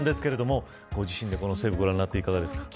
ご自身でこのセーブをご覧になって、いかがですか。